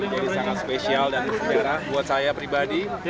dan tentunya ini sangat spesial dan bersejarah buat saya pribadi